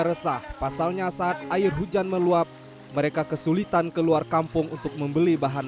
resah pasalnya saat air hujan meluap mereka kesulitan keluar kampung untuk membeli bahan